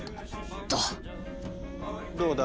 どうだ？